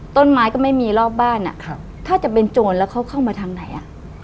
ต้นไม้ก็ไม่มีรอบบ้านถ้าจะเป็นโจรแล้วเขาเข้ามาทางไหนอ่ะ